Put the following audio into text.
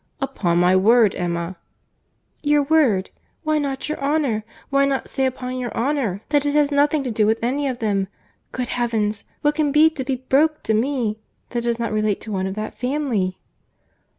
"Upon my word, Emma."— "Your word!—why not your honour!—why not say upon your honour, that it has nothing to do with any of them? Good Heavens!—What can be to be broke to me, that does not relate to one of that family?"